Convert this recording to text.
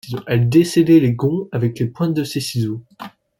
Elle descellait les gonds avec la pointe de ses ciseaux.